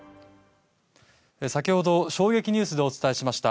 先ほど衝撃ニュースでお伝えしました